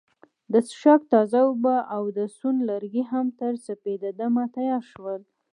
د څښاک تازه اوبه او د سون لرګي هم تر سپیده دمه تیار شول.